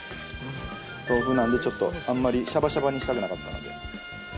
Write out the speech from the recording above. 豆腐なんでちょっとあんまりシャバシャバにしたくなかったので。